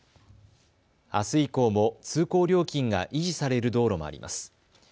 あす以降も通行料金が維持される道路もあります。